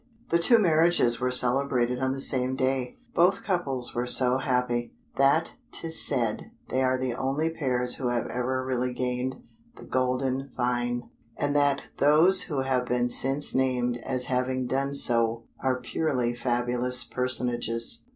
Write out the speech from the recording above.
The two marriages were celebrated on the same day. Both couples were so happy, that 'tis said they are the only pairs who have ever really gained the golden Vine, and that those who have been since named as having done so are purely fabulous personages.